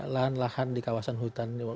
lahan lahan di kawasan hutan